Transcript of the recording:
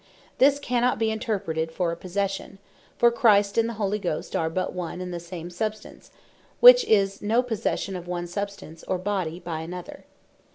This cannot be interpreted for a Possession: For Christ, and the Holy Ghost, are but one and the same substance; which is no possession of one substance, or body, by another.